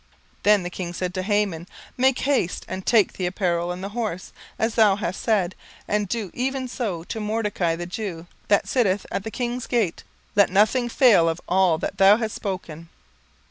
17:006:010 Then the king said to Haman, Make haste, and take the apparel and the horse, as thou hast said, and do even so to Mordecai the Jew, that sitteth at the king's gate: let nothing fail of all that thou hast spoken.